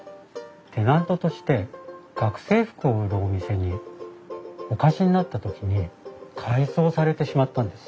テナントとして学生服を売るお店にお貸しになった時に改装されてしまったんです。